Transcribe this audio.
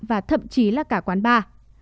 và thậm chí là cả quán bar